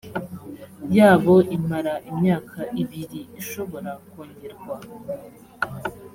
yabo imara imyaka ibiri ishobora kongerwa